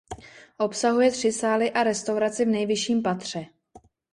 Obsahuje tři sály a restauraci v nejvyšším patře.